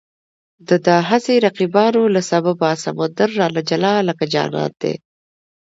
د دا هسې رقیبانو له سببه، سمندر رانه جلا لکه جانان دی